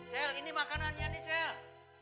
cel ini makanannya nih cel